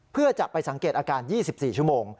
เพื่อจะไปสังเกตอาการ๒๔ชั่วโมง